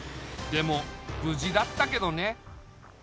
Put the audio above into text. でもぶじだったけどね。